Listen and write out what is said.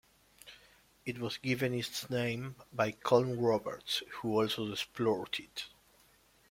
It was given its name by Colin Roberts, who also explored it.